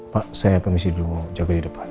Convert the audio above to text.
pak saya permisi dulu mau jaga di depan